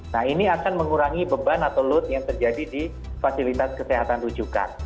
nah ini akan mengurangi beban atau load yang terjadi di fasilitas kesehatan rujukan